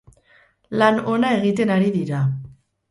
Lan ona egiten ari dira.